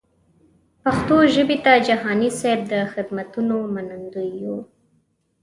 پښتو ژبې ته جهاني صېب د خدمتونو منندوی یو.